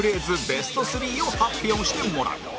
ベスト３を発表してもらう